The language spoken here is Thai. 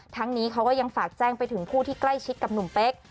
ทั้งนี้เขาก็ยังฝากแจ้งไปถึงผู้ที่ใกล้ชิดกับหนุ่มเป๊ก